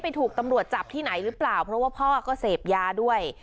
ถูกตำรวจจับที่ไหนหรือเปล่าเพราะว่าพ่อก็เสพยาด้วย